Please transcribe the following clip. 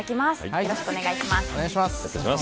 よろしくお願いします。